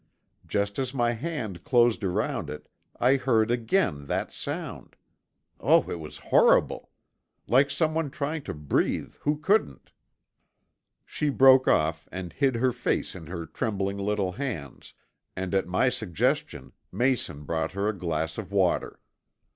Just as my hand closed around it I heard again that sound. Oh, it was horrible! Like someone trying to breathe who couldn't!" She broke off and hid her face in her trembling little hands, and at my suggestion Mason brought her a glass of water.